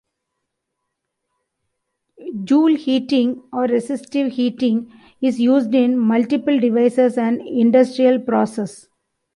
Joule-heating or resistive-heating is used in multiple devices and industrial process.